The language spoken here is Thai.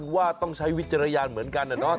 ว่าต้องใช้วิจารณญาณเหมือนกันนะ